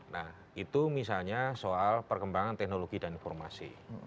nah itu misalnya soal perkembangan teknologi dan informasi